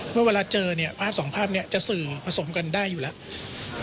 เมื่อเวลาเจอเนี่ยภาพสองภาพนี้จะสื่อผสมกันได้อยู่แล้ว